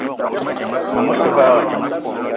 Meng osse vala.